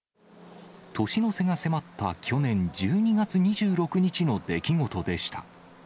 年の瀬が迫った去年１２月２６日の出来事でした。